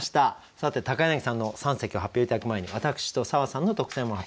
さて柳さんの三席を発表頂く前に私と砂羽さんの特選も発表したいと思います。